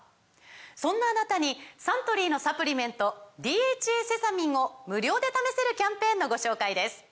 そんなあなたにサントリーのサプリメント「ＤＨＡセサミン」を無料で試せるキャンペーンのご紹介です